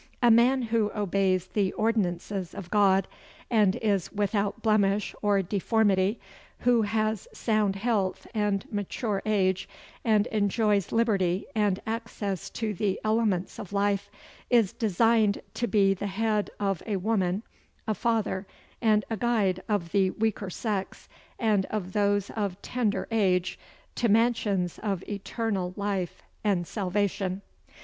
A man who obeys the ordinances of God, and is without blemish or deformity, who has sound health and mature age, and enjoys liberty and access to the elements of life; is designed to be the head of a woman, a father, and a guide of the weaker sex, and of those of tender age, to mansions of eternal life and salvation.